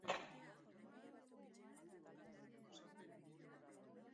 Bila dezala gustuko duena, eta seguru nago aurkituko duela harribitxiren bat.